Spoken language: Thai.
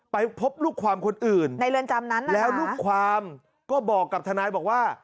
ไปพบลูกความคนอื่นแล้วลูกความก็บอกกับทนายบอกว่า